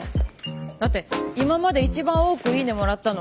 だって今まで一番多くイイネもらったのこれだよ。